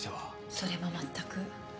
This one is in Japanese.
それも全く。